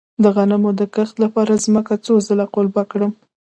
د غنمو د کښت لپاره ځمکه څو ځله قلبه کړم؟